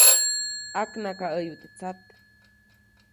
ʼAknakaʼäyu teʼ tsat.